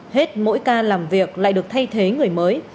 hết mỗi ca làm việc lại được thay thế người mới